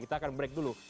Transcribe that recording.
kita akan break dulu